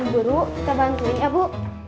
dulu kita bantuin ya bu